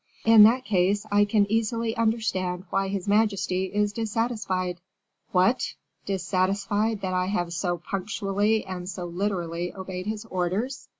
"In that case, I can easily understand why his majesty is dissatisfied." "What! dissatisfied that I have so punctually and so literally obeyed his orders?